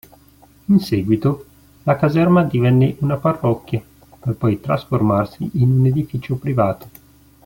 In seguito, la caserma divenne una parrocchia, per poi trasformarsi in edificio privato.